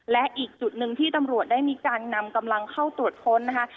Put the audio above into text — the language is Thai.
และอีกจุดหนึ่งที่ตำรวจได้มีการนำกำลังเข้าตรวจค้นนะคะ